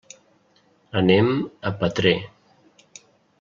Anem a Petrer.